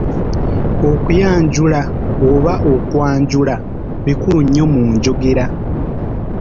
Okuyanjula oba okwanjula bikulu nnyo mu njogera.